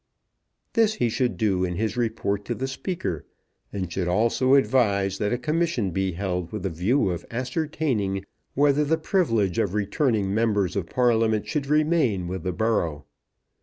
This he should do in his report to the Speaker, and should also advise that a commission be held with the view of ascertaining whether the privilege of returning members of Parliament should remain with the borough.